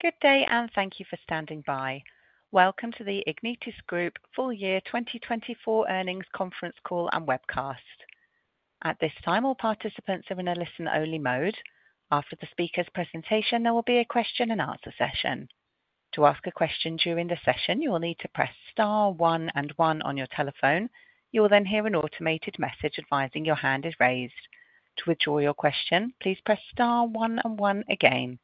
Good day, and thank you for standing by. Welcome to the Ignitis Group Full Year 2024 Earnings Conference Call and Webcast. At this time, all participants are in a listen-only mode. After the speaker's presentation, there will be a question-and-answer session. To ask a question during the session, you will need to press star one and one on your telephone. You will then hear an automated message advising your hand is raised. To withdraw your question, please press star one and one again.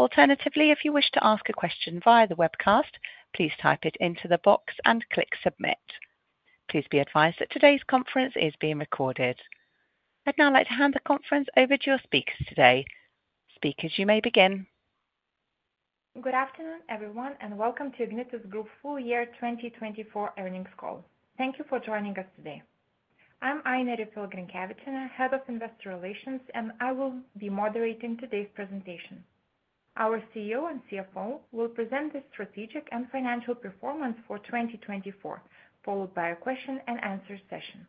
Alternatively, if you wish to ask a question via the webcast, please type it into the box and click submit. Please be advised that today's conference is being recorded. I'd now like to hand the conference over to your speakers today. Speakers, you may begin. Good afternoon, everyone, and welcome to Ignitis Group full year 2024 earnings call. Thank you for joining us today. I'm Ainė Riffel-Grinkevičienė, Head of Investor Relations, and I will be moderating today's presentation. Our CEO and CFO will present the strategic and financial performance for 2024, followed by a question-and-answer session.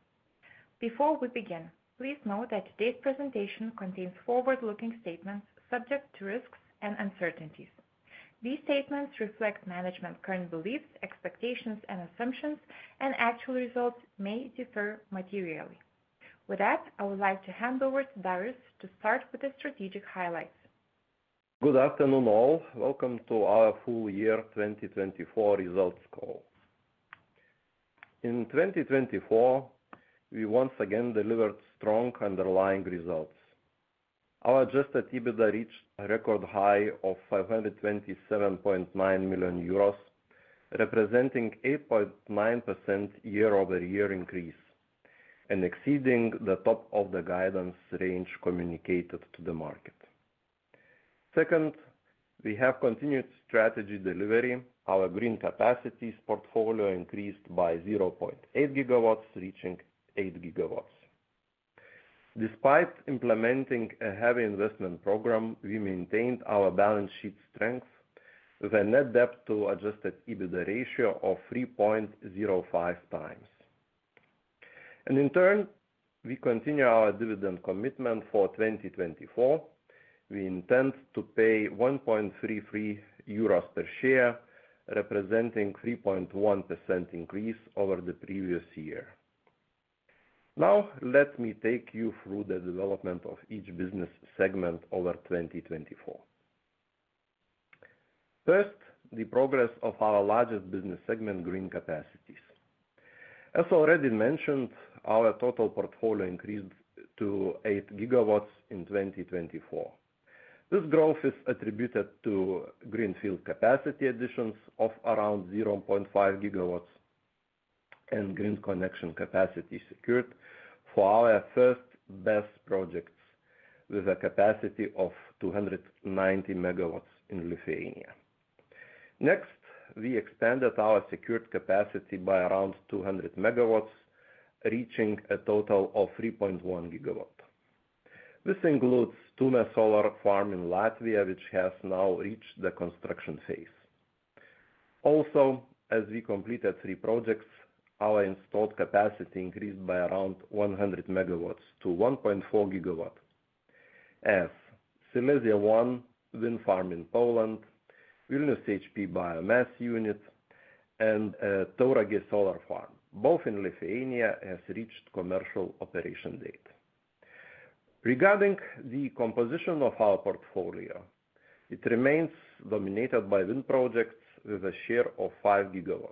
Before we begin, please note that today's presentation contains forward-looking statements subject to risks and uncertainties. These statements reflect management's current beliefs, expectations, and assumptions, and actual results may differ materially. With that, I would like to hand over to Darius to start with the strategic highlights. Good afternoon, all. Welcome to our full year 2024 results call. In 2024, we once again delivered strong underlying results. Our Adjusted EBITDA reached a record high of 527.9 million euros, representing an 8.9% year-over-year increase and exceeding the top of the guidance range communicated to the market. Second, we have continued strategy delivery. Our green capacities portfolio increased by 0.8 GW, reaching 8 GW. Despite implementing a heavy investment program, we maintained our balance sheet strength with a net debt-to-Adjusted EBITDA ratio of 3.05x. And in turn, we continue our dividend commitment for 2024. We intend to pay 1.33 euros per share, representing a 3.1% increase over the previous year. Now, let me take you through the development of each business segment over 2024. First, the progress of our largest business segment, green capacities. As already mentioned, our total portfolio increased to 8 GW in 2024. This growth is attributed to greenfield capacity additions of around 0.5 GW and green connection capacity secured for our first BESS projects with a capacity of 290 MW in Lithuania. Next, we expanded our secured capacity by around 200 MW, reaching a total of 3.1 GW. This includes Tume Solar Farm in Latvia, which has now reached the construction phase. Also, as we completed three projects, our installed capacity increased by around 100 MW to 1.4 GW, as Silesia 1 Wind Farm in Poland, Vilnius CHP Biomass Unit, and Tauragė Solar Farm, both in Lithuania, have reached commercial operation date. Regarding the composition of our portfolio, it remains dominated by wind projects with a share of 5 GW.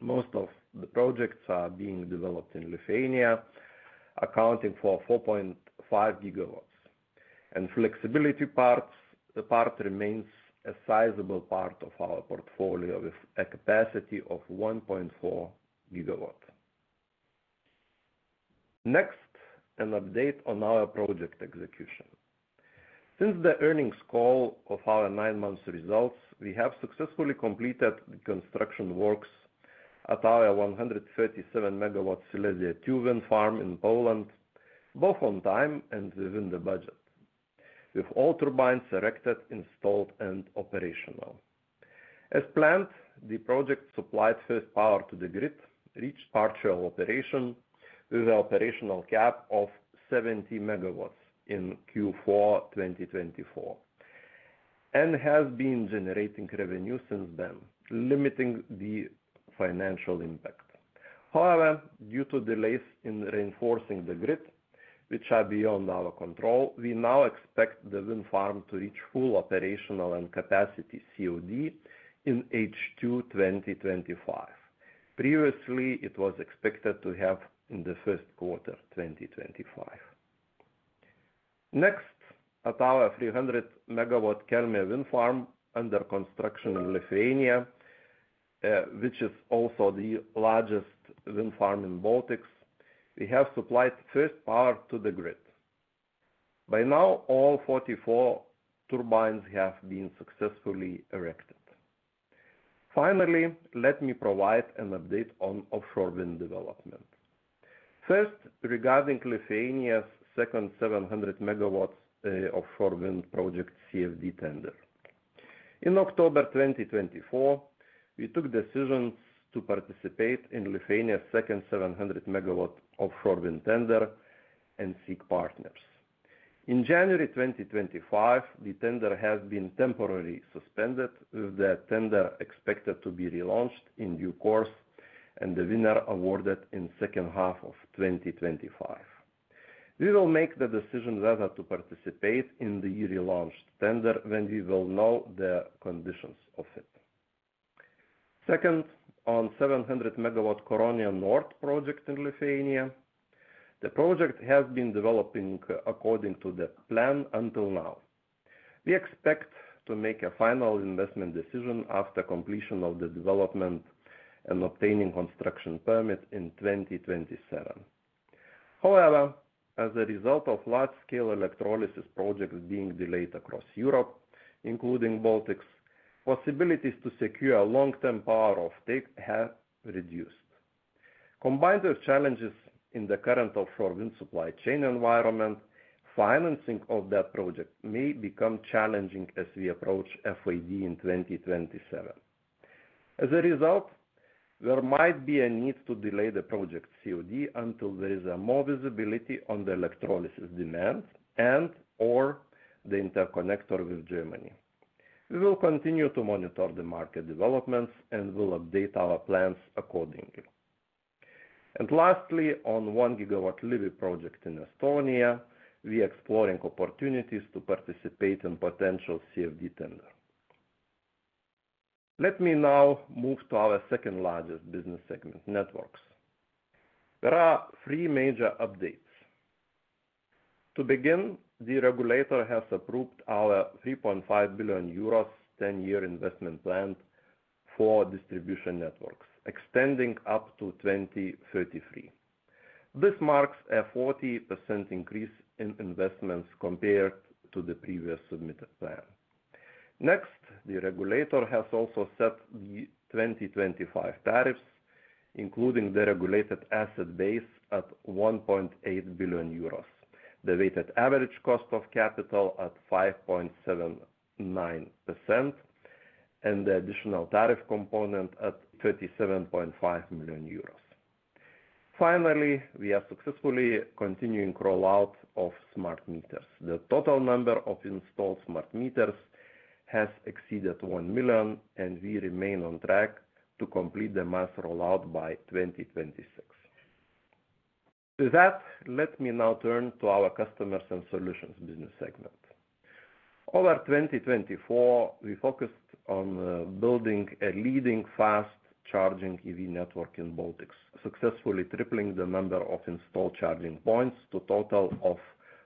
Most of the projects are being developed in Lithuania, accounting for 4.5 GW, and flexibility part remains a sizable part of our portfolio with a capacity of 1.4 GW. Next, an update on our project execution. Since the earnings call of our nine-month results, we have successfully completed the construction works at our 137 MW Silesia 2 Wind Farm in Poland, both on time and within the budget, with all turbines erected, installed, and operational. As planned, the project supplied first power to the grid, reached partial operation with an operational cap of 70 MW in Q4 2024, and has been generating revenue since then, limiting the financial impact. However, due to delays in reinforcing the grid, which are beyond our control, we now expect the wind farm to reach full operational and capacity COD in H2 2025. Previously, it was expected to have in the first quarter 2025. Next, at our 300 MW Kelmė Wind Farm under construction in Lithuania, which is also the largest wind farm in Baltics, we have supplied first power to the grid. By now, all 44 turbines have been successfully erected. Finally, let me provide an update on offshore wind development. First, regarding Lithuania's second 700 MW offshore wind project CfD tender. In October 2024, we took decisions to participate in Lithuania's second 700 MW offshore wind tender and seek partners. In January 2025, the tender has been temporarily suspended, with the tender expected to be relaunched in due course and the winner awarded in the second half of 2025. We will make the decision whether to participate in the relaunched tender when we will know the conditions of it. Second, on the 700 MW Curonian Nord project in Lithuania. The project has been developing according to the plan until now. We expect to make a final investment decision after completion of the development and obtaining a construction permit in 2027. However, as a result of large-scale electrolysis projects being delayed across Europe, including Baltics, possibilities to secure long-term power offtake have reduced. Combined with challenges in the current offshore wind supply chain environment, financing of that project may become challenging as we approach FID in 2027. As a result, there might be a need to delay the project COD until there is more visibility on the electrolysis demand and/or the interconnector with Germany. We will continue to monitor the market developments and will update our plans accordingly, and lastly, on the 1 GW Liivi project in Estonia, we are exploring opportunities to participate in a potential CfD tender. Let me now move to our second-largest business segment, networks. There are three major updates. To begin, the regulator has approved our 3.5 billion euros 10-year investment plan for distribution networks, extending up to 2033. This marks a 40% increase in investments compared to the previous submitted plan. Next, the regulator has also set the 2025 tariffs, including the regulated asset base at 1.8 billion euros, the weighted average cost of capital at 5.79%, and the additional tariff component at 37.5 million euros. Finally, we are successfully continuing the rollout of smart meters. The total number of installed smart meters has exceeded 1 million, and we remain on track to complete the mass rollout by 2026. With that, let me now turn to our customers and solutions business segment. Over 2024, we focused on building a leading fast-charging EV network in Baltics, successfully tripling the number of installed charging points to a total of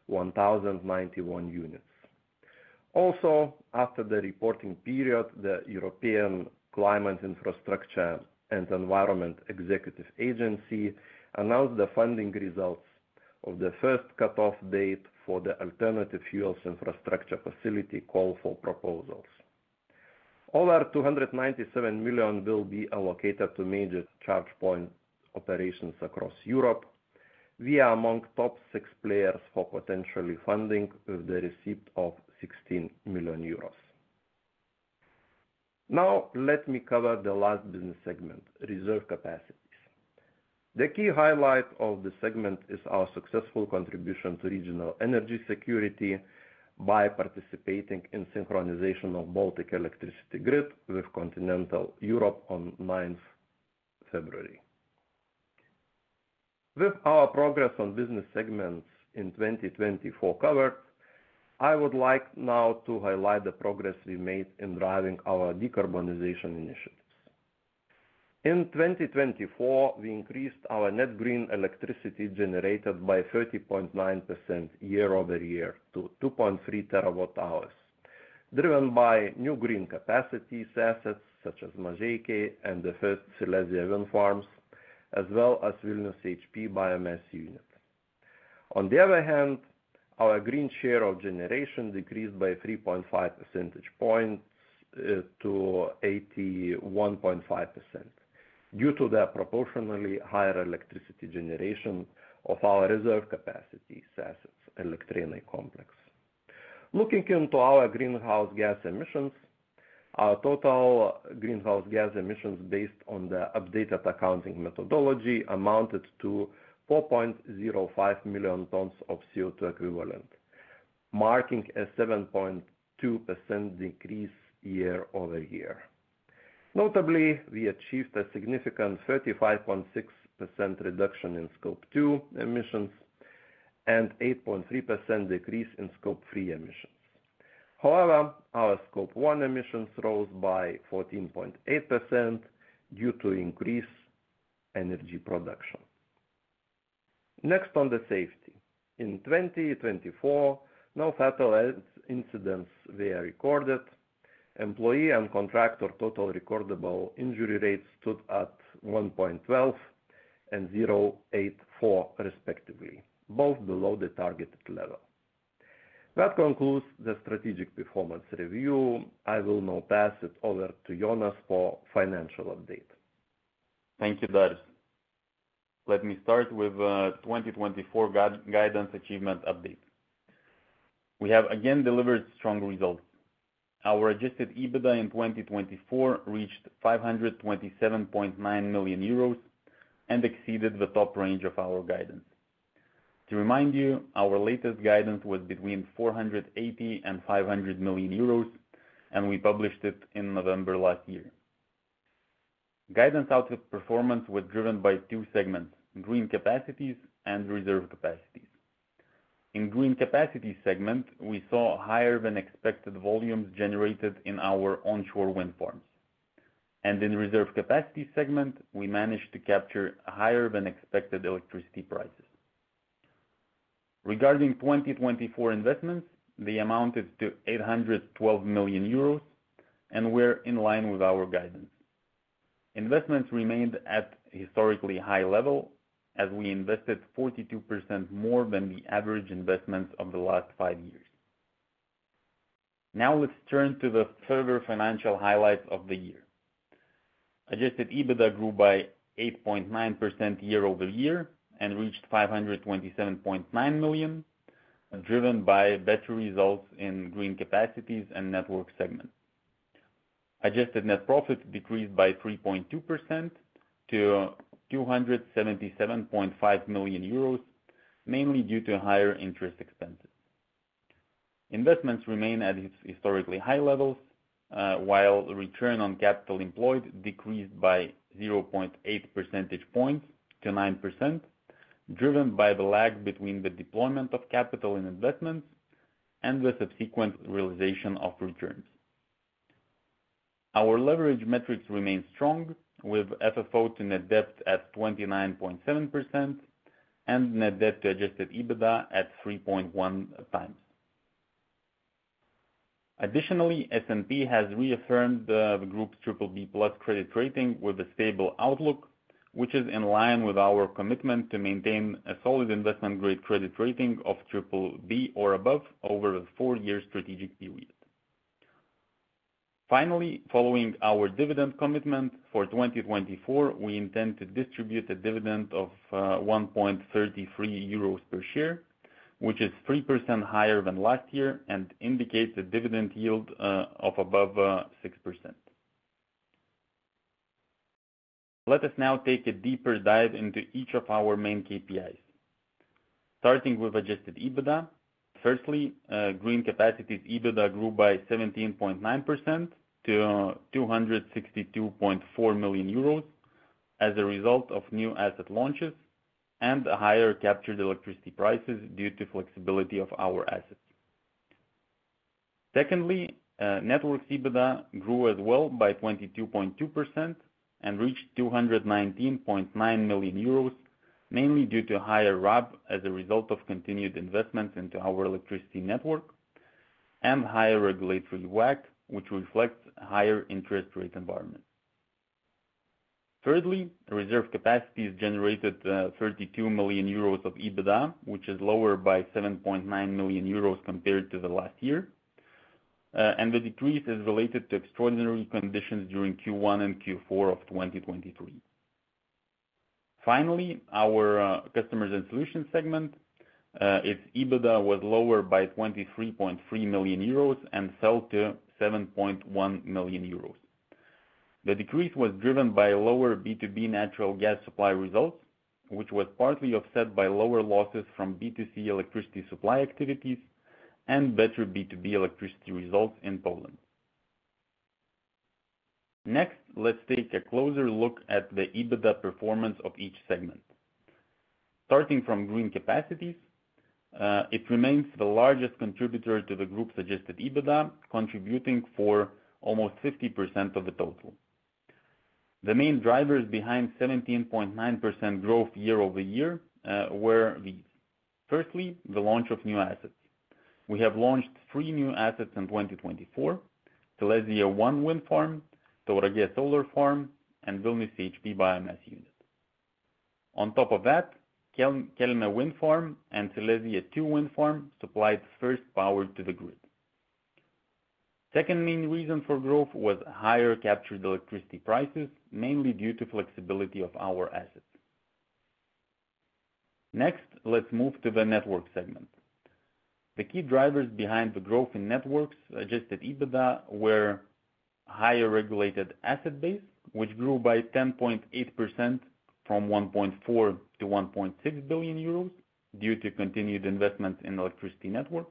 1,091 units. Also, after the reporting period, the European Climate Infrastructure and Environment Executive Agency announced the funding results of the first cut-off date for the Alternative Fuels Infrastructure Facility call for proposals. Over 297 million will be allocated to major charge point operations across Europe. We are among the top six players for potential funding with the receipt of 16 million euros. Now, let me cover the last business segment, reserve capacities. The key highlight of the segment is our successful contribution to regional energy security by participating in the synchronization of the Baltic electricity grid with Continental Europe on 9th February. With our progress on business segments in 2024 covered, I would like now to highlight the progress we made in driving our decarbonization initiatives. In 2024, we increased our net green electricity generated by 30.9% year-over-year to 2.3 TWh, driven by new green capacities assets such as Mažeikiai and the first Silesia wind farms, as well as Vilnius CHP Biomass Unit. On the other hand, our green share of generation decreased by 3.5 percentage points to 81.5% due to the proportionally higher electricity generation of our reserve capacities assets, Elektrėnai Complex. Looking into our greenhouse gas emissions, our total greenhouse gas emissions based on the updated accounting methodology amounted to 4.05 million tons of CO2 equivalent, marking a 7.2% decrease year-over-year. Notably, we achieved a significant 35.6% reduction in Scope 2 emissions and an 8.3% decrease in Scope 3 emissions. However, our Scope 1 emissions rose by 14.8% due to increased energy production. Next, on the safety. In 2024, no fatal incidents were recorded. Employee and contractor total recordable injury rates stood at 1.12 and 0.84, respectively, both below the targeted level. That concludes the strategic performance review. I will now pass it over to Jonas for a financial update. Thank you, Darius. Let me start with the 2024 guidance achievement update. We have again delivered strong results. Our Adjusted EBITDA in 2024 reached 527.9 million euros and exceeded the top range of our guidance. To remind you, our latest guidance was between 480 million and 500 million euros, and we published it in November last year. Guidance output performance was driven by two segments: green capacities and reserve capacities. In the green capacities segment, we saw higher-than-expected volumes generated in our onshore wind farms. And in the reserve capacities segment, we managed to capture higher-than-expected electricity prices. Regarding 2024 investments, they amounted to 812 million euros and were in line with our guidance. Investments remained at a historically high level, as we invested 42% more than the average investments of the last five years. Now, let's turn to the further financial highlights of the year. Adjusted EBITDA grew by 8.9% year-over-year and reached 527.9 million, driven by better results in green capacities and network segments. Adjusted net profit decreased by 3.2% to 277.5 million euros, mainly due to higher interest expenses. Investments remained at historically high levels, while return on capital employed decreased by 0.8 percentage points to 9%, driven by the lag between the deployment of capital and investments and the subsequent realization of returns. Our leverage metrics remained strong, with FFO to net debt at 29.7% and net debt-to-adjusted EBITDA at 3.1 times. Additionally, S&P has reaffirmed the group's BBB+ credit rating with a stable outlook, which is in line with our commitment to maintain a solid investment-grade credit rating of BBB or above over a four-year strategic period. Finally, following our dividend commitment for 2024, we intend to distribute a dividend of 1.33 euros per share, which is 3% higher than last year and indicates a dividend yield of above 6%. Let us now take a deeper dive into each of our main KPIs, starting with adjusted EBITDA. Firstly, green capacities EBITDA grew by 17.9% to 262.4 million euros as a result of new asset launches and higher captured electricity prices due to the flexibility of our assets. Secondly, network EBITDA grew as well by 22.2% and reached 219.9 million euros, mainly due to higher RAB as a result of continued investments into our electricity network and higher regulatory WACC, which reflects a higher interest rate environment. Thirdly, reserve capacities generated 32 million euros of EBITDA, which is lower by 7.9 million euros compared to the last year, and the decrease is related to extraordinary conditions during Q1 and Q4 of 2023. Finally, our customers and solutions segment, its EBITDA was lower by 23.3 million euros and fell to 7.1 million euros. The decrease was driven by lower B2B natural gas supply results, which was partly offset by lower losses from B2C electricity supply activities and better B2B electricity results in Poland. Next, let's take a closer look at the EBITDA performance of each segment. Starting from green capacities, it remains the largest contributor to the group's adjusted EBITDA, contributing for almost 50% of the total. The main drivers behind 17.9% growth year-over-year were these: firstly, the launch of new assets. We have launched three new assets in 2024: Silesia 1 Wind Farm, Tauragė Solar Farm, and Vilnius CHP Biomass Unit. On top of that, Kelmė Wind Farm and Silesia 2 Wind Farm supplied first power to the grid. The second main reason for growth was higher captured electricity prices, mainly due to the flexibility of our assets. Next, let's move to the network segment. The key drivers behind the growth in networks Adjusted EBITDA were a higher regulated asset base, which grew by 10.8% from 1.4 billion to 1.6 billion euros due to continued investments in the electricity network,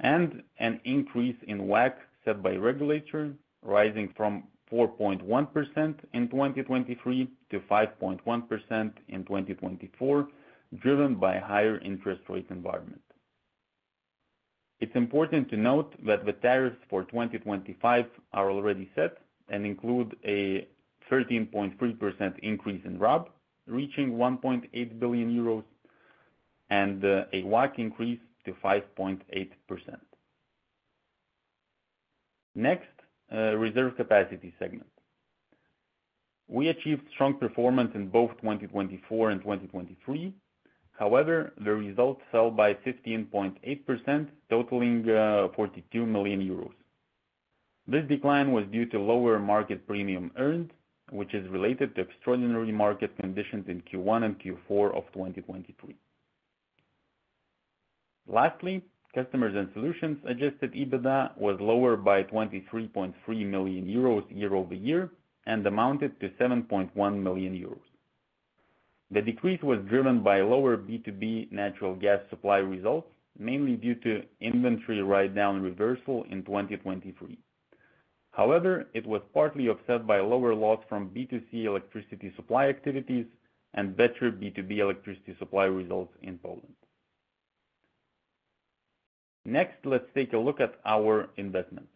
and an increase in WACC set by regulator, rising from 4.1% in 2023 to 5.1% in 2024, driven by a higher interest rate environment. It's important to note that the tariffs for 2025 are already set and include a 13.3% increase in RAB, reaching 1.8 billion euros, and a WACC increase to 5.8%. Next, the reserve capacity segment. We achieved strong performance in both 2024 and 2023. However, the results fell by 15.8%, totaling 42 million euros. This decline was due to lower market premium earned, which is related to extraordinary market conditions in Q1 and Q4 of 2023. Lastly, customers and solutions Adjusted EBITDA was lower by 23.3 million euros year-over-year and amounted to 7.1 million euros. The decrease was driven by lower B2B natural gas supply results, mainly due to inventory write-down reversal in 2023. However, it was partly offset by lower loss from B2C electricity supply activities and better B2B electricity supply results in Poland. Next, let's take a look at our investments.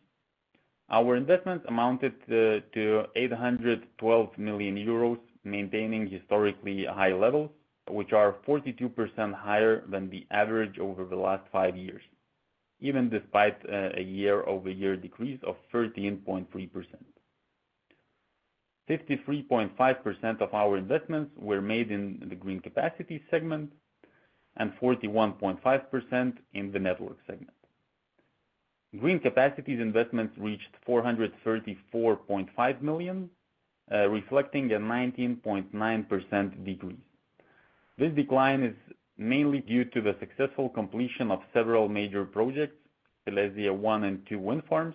Our investments amounted to 812 million euros, maintaining historically high levels, which are 42% higher than the average over the last five years, even despite a year-over-year decrease of 13.3%. 53.5% of our investments were made in the green capacity segment and 41.5% in the network segment. Green capacities investments reached 434.5 million, reflecting a 19.9% decrease. This decline is mainly due to the successful completion of several major projects: Silesia 1 and Silesia 2 wind farms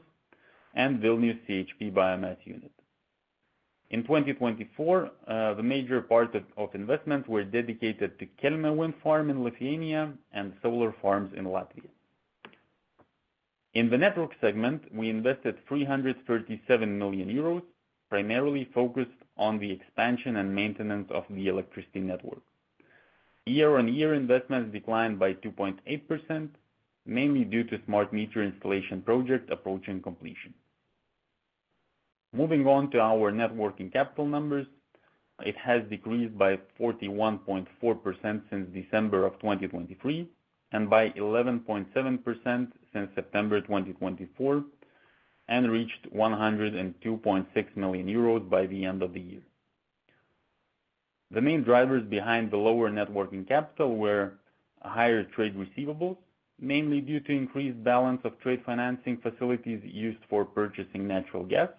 and Vilnius CHP Biomass Unit. In 2024, the major part of investments were dedicated to Kelmė wind farm in Lithuania and solar farms in Latvia. In the network segment, we invested 337 million euros, primarily focused on the expansion and maintenance of the electricity network. Year-on-year investments declined by 2.8%, mainly due to smart meter installation projects approaching completion. Moving on to our net working capital numbers, it has decreased by 41.4% since December of 2023 and by 11.7% since September 2024, and reached 102.6 million euros by the end of the year. The main drivers behind the lower net working capital were higher trade receivables, mainly due to the increased balance of trade financing facilities used for purchasing natural gas,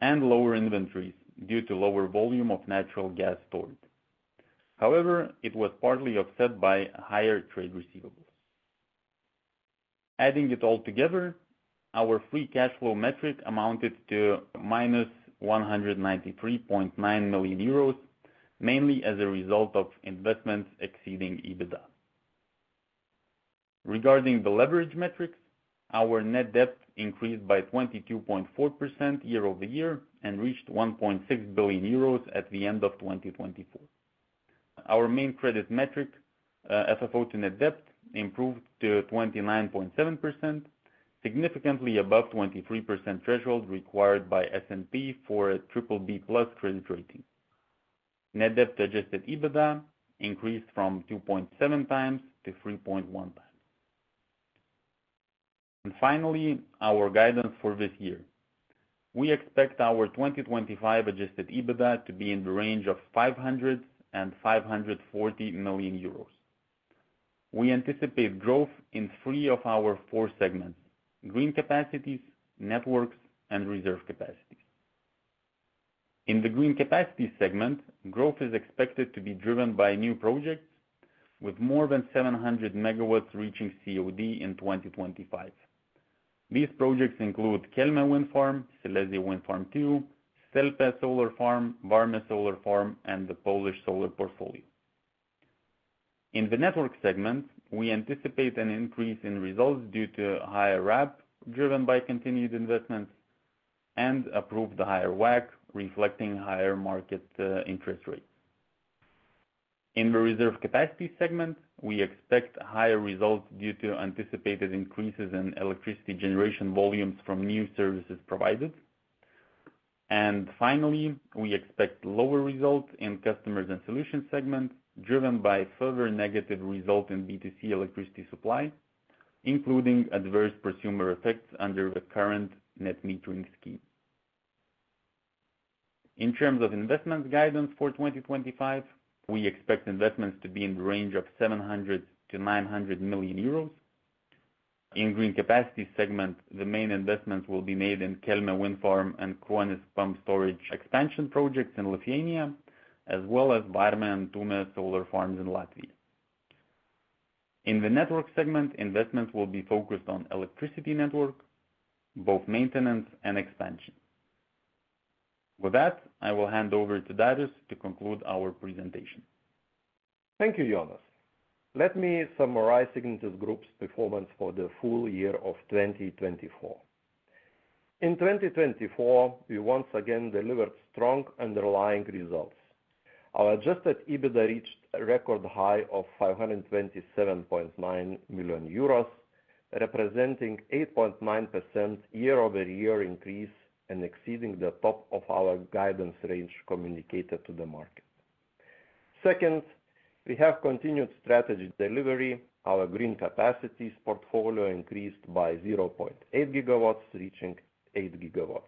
and lower inventories due to the lower volume of natural gas stored. However, it was partly offset by higher trade receivables. Adding it all together, our free cash flow metric amounted to 193.9 million euros, mainly as a result of investments exceeding EBITDA. Regarding the leverage metrics, our net debt increased by 22.4% year-over-year and reached €1.6 billion at the end of 2024. Our main credit metric, FFO to net debt, improved to 29.7%, significantly above the 23% threshold required by S&P for a BBB+ credit rating. Net debt-to-adjusted EBITDA increased from 2.7x to 3.1x. And finally, our guidance for this year. We expect our 2025 adjusted EBITDA to be in the range of 500 million-540 million euros. We anticipate growth in three of our four segments: green capacities, networks, and reserve capacities. In the green capacities segment, growth is expected to be driven by new projects, with more than 700 MW reaching COD in 2025. These projects include Kelmė Wind Farm, Silesia 2 Wind Farm, Stelpe Solar Farm, Vārma Solar Farm, and the Polish solar portfolio. In the network segment, we anticipate an increase in results due to higher RAB, driven by continued investments, and approved higher WACC, reflecting higher market interest rates. In the reserve capacity segment, we expect higher results due to anticipated increases in electricity generation volumes from new services provided. Finally, we expect lower results in the customers and solutions segment, driven by further negative results in B2C electricity supply, including adverse consumer effects under the current net metering scheme. In terms of investment guidance for 2025, we expect investments to be in the range of 700 million-900 million euros. In the green capacity segment, the main investments will be made in Kelmė Wind Farm and Kruonis Pumped Storage Expansion projects in Lithuania, as well as Vārma Solar Farm and Tume Solar Farm in Latvia. In the network segment, investments will be focused on the electricity network, both maintenance and expansion. With that, I will hand over to Darius to conclude our presentation. Thank you, Jonas. Let me summarize Ignitis Group's performance for the full year of 2024. In 2024, we once again delivered strong underlying results. Our Adjusted EBITDA reached a record high of 527.9 million euros, representing an 8.9% year-over-year increase and exceeding the top of our guidance range communicated to the market. Second, we have continued strategy delivery. Our green capacities portfolio increased by 0.8 GW, reaching 8 GW.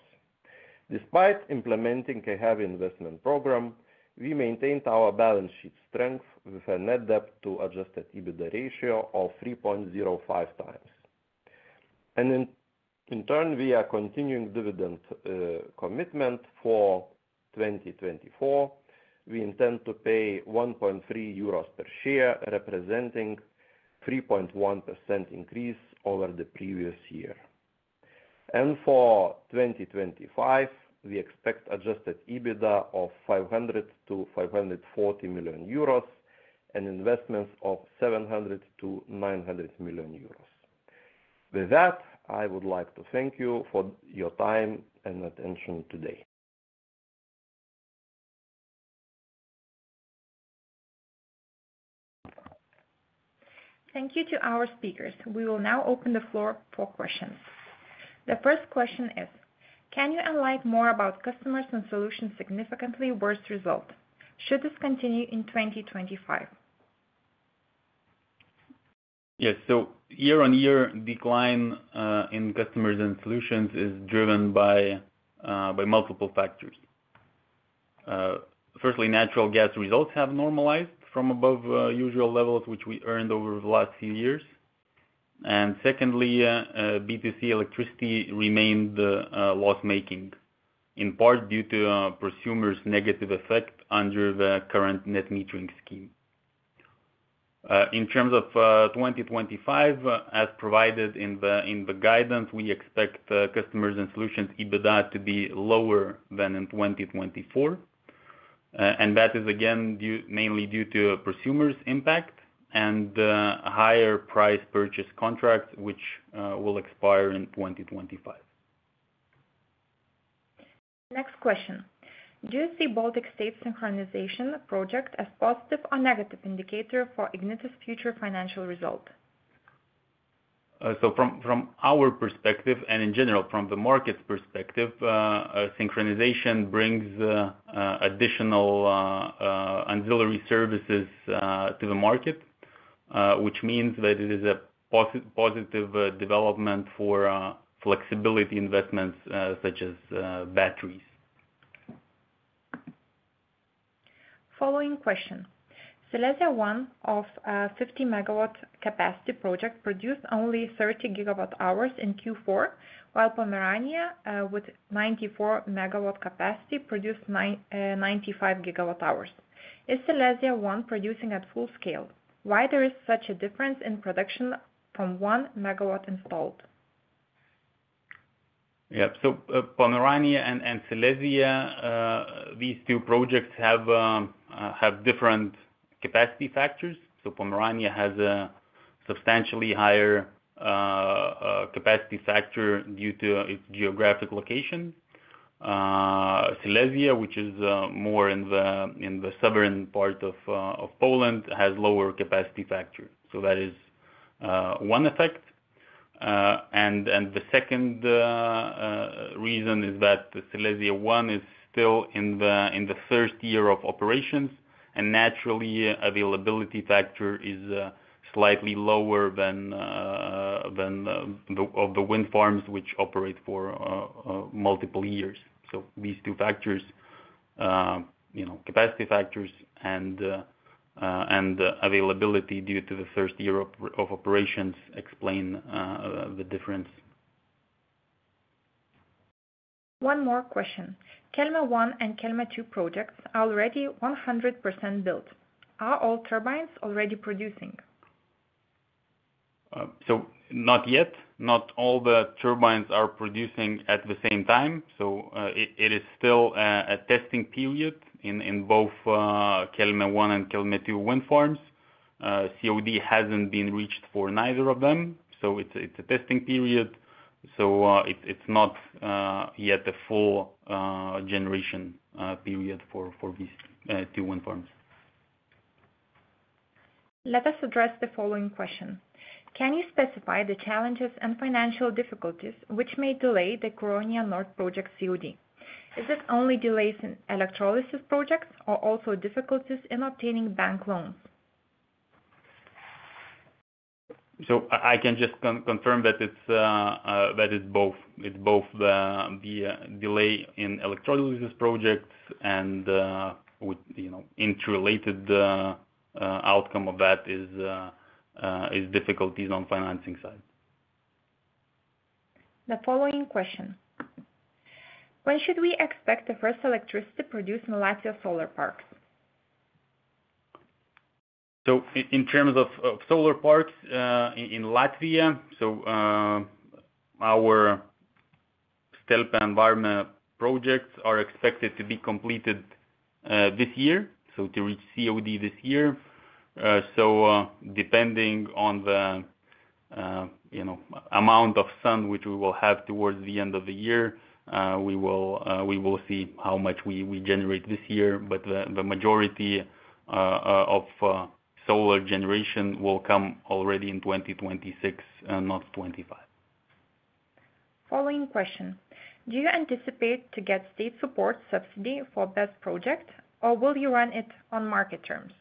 Despite implementing a heavy investment program, we maintained our balance sheet strength with a net debt-to-Adjusted EBITDA ratio of 3.05x. And in turn, via continuing dividend commitment for 2024, we intend to pay 1.3 euros per share, representing a 3.1% increase over the previous year. And for 2025, we expect Adjusted EBITDA of 500 million-540 million euros and investments of 700 million-900 million euros. With that, I would like to thank you for your time and attention today. Thank you to our speakers. We will now open the floor for questions. The first question is: Can you unlock more about customers and solutions significantly versus results? Should this continue in 2025? Yes. So year-on-year decline in customers and solutions is driven by multiple factors. Firstly, natural gas results have normalized from above usual levels, which we earned over the last few years. Secondly, B2C electricity remained loss-making, in part due to consumers' negative effect under the current net metering scheme. In terms of 2025, as provided in the guidance, we expect customers and solutions' EBITDA to be lower than in 2024. That is, again, mainly due to consumers' impact and higher price purchase contracts, which will expire in 2025. Next question: Do you see Baltic states' synchronization project as a positive or negative indicator for Ignitis' future financial result? From our perspective, and in general from the market's perspective, synchronization brings additional auxiliary services to the market, which means that it is a positive development for flexibility investments such as batteries. Following question: Silesia 1 of a 50 MW capacity project produced only 30 GWh in Q4, while Pomerania with 94 MW capacity produced 95 GWh. Is Silesia 1 producing at full scale? Why is there such a difference in production from 1 MW installed? Yep. So Pomerania and Silesia, these two projects have different capacity factors. So Pomerania has a substantially higher capacity factor due to its geographic location. Silesia, which is more in the southern part of Poland, has a lower capacity factor. So that is one effect. And the second reason is that Silesia 1 is still in the third year of operations, and naturally, the availability factor is slightly lower than of the wind farms, which operate for multiple years. So these two factors, capacity factors and availability due to the third year of operations, explain the difference. One more question: Kelmė 1 and Kelmė 2 projects are already 100% built. Are all turbines already producing? So not yet. Not all the turbines are producing at the same time. It is still a testing period in both Kelmė I and Kelmė II wind farms. COD hasn't been reached for neither of them. It is a testing period. It is not yet a full generation period for these two wind farms. Let us address the following question: Can you specify the challenges and financial difficulties which may delay the Curonian Nord project COD? Is it only delays in electrolysis projects or also difficulties in obtaining bank loans? I can just confirm that it is both. It is both the delay in electrolysis projects and the interrelated outcome of that is difficulties on the financing side. The following question: When should we expect the first electricity produced in Latvia solar parks? In terms of solar parks in Latvia, our Stelpe and Vārma projects are expected to be completed this year, so to reach COD this year. Depending on the amount of sun which we will have towards the end of the year, we will see how much we generate this year. The majority of solar generation will come already in 2026 and not 2025. Following question: Do you anticipate to get state support subsidy for BESS project, or will you run it on market terms?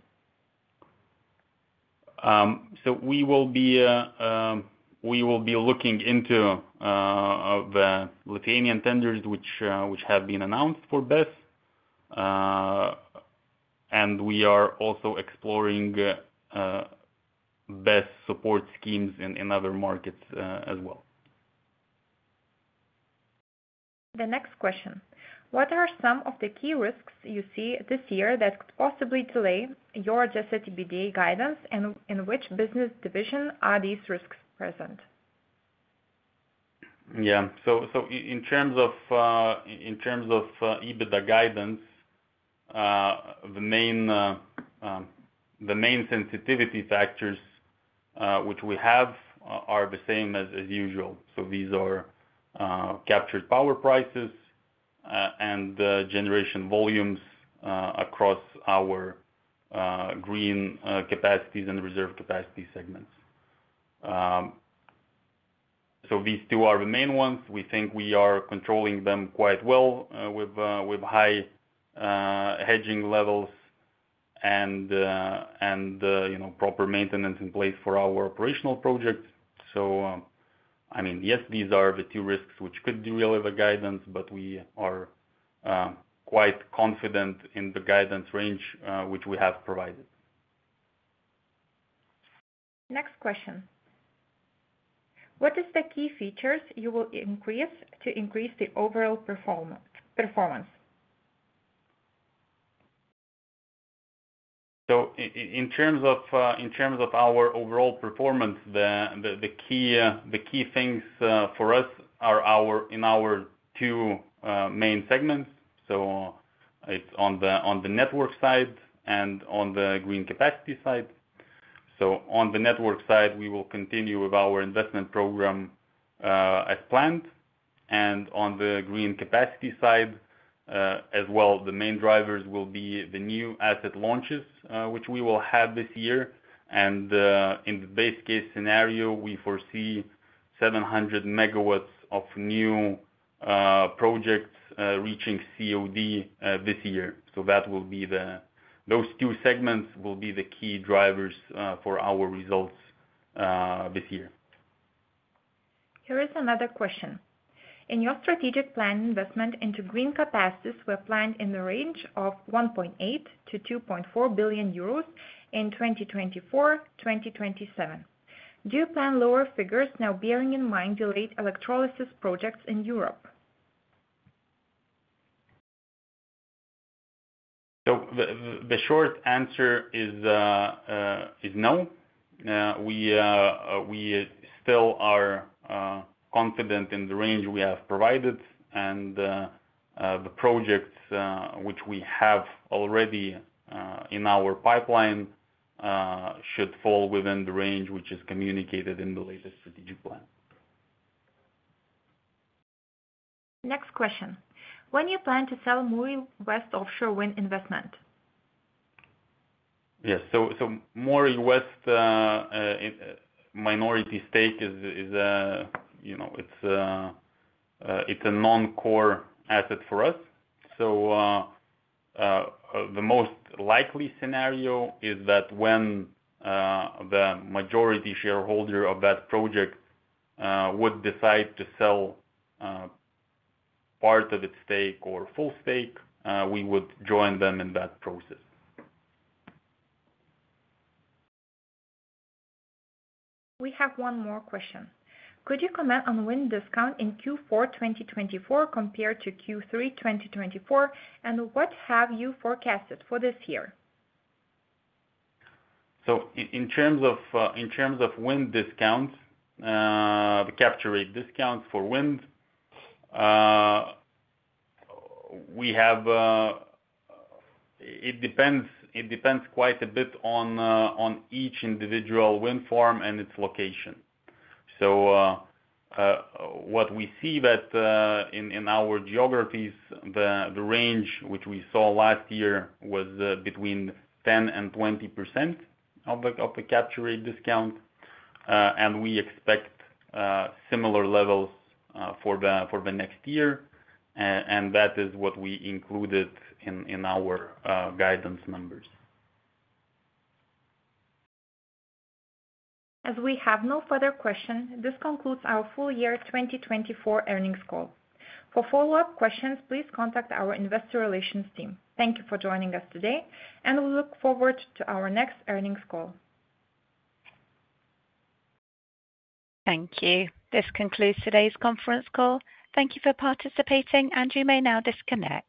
We will be looking into the Lithuanian tenders which have been announced for BESS. And we are also exploring BESS support schemes in other markets as well. The next question: What are some of the key risks you see this year that could possibly delay your Adjusted EBITDA guidance, and in which business division are these risks present? Yeah. In terms of EBITDA guidance, the main sensitivity factors which we have are the same as usual. So these are captured power prices and generation volumes across our green capacities and reserve capacity segments. So these two are the main ones. We think we are controlling them quite well with high hedging levels and proper maintenance in place for our operational projects. So I mean, yes, these are the two risks which could derail the guidance, but we are quite confident in the guidance range which we have provided. Next question: What are the key features you will increase to increase the overall performance? So in terms of our overall performance, the key things for us are in our two main segments. So it's on the network side and on the green capacity side. So on the network side, we will continue with our investment program as planned. On the green capacity side as well, the main drivers will be the new asset launches which we will have this year. In the base case scenario, we foresee 700 MW of new projects reaching COD this year. Those two segments will be the key drivers for our results this year. Here is another question: In your strategic plan, investment into green capacities were planned in the range of 1.8 billion-2.4 billion euros in 2024-2027. Do you plan lower figures now bearing in mind delayed electrolysis projects in Europe? The short answer is no. We still are confident in the range we have provided. The projects which we have already in our pipeline should fall within the range which is communicated in the latest strategic plan. Next question: When you plan to sell Moray West offshore wind investment? Yes. Moray West minority stake is a non-core asset for us. The most likely scenario is that when the majority shareholder of that project would decide to sell part of its stake or full stake, we would join them in that process. We have one more question: Could you comment on wind discount in Q4 2024 compared to Q3 2024, and what have you forecasted for this year? In terms of wind discounts, the capture rate discounts for wind, it depends quite a bit on each individual wind farm and its location. What we see in our geographies, the range which we saw last year was between 10% and 20% of the capture rate discount. We expect similar levels for the next year. That is what we included in our guidance numbers. As we have no further questions, this concludes our full year 2024 earnings call. For follow-up questions, please contact our investor relations team. Thank you for joining us today, and we look forward to our next earnings call. Thank you. This concludes today's conference call. Thank you for participating, and you may now disconnect.